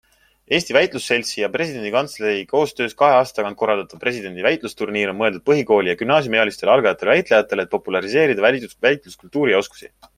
Eesti Väitlusseltsi ja presidendi kantselei koostöös kahe aasta tagant korraldatav presidendi väitlusturniir on mõeldud põhikooli- ja gümnaasiumiealistele algajatele väitlejatele, et populariseerida väitluskultuuri ja -oskusi.